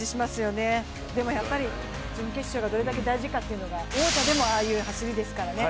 でもやっぱり準決勝がどれだけ大事かという、王者でもあの走りですからね。